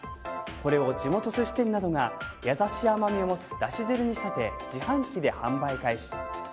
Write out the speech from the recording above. これを地元寿司店などが優しい甘みを持つだし汁に仕立て自販機で販売開始。